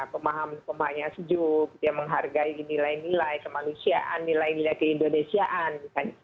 pemahaman pemahaman yang sejuk yang menghargai nilai nilai kemanusiaan nilai nilai keindonesiaan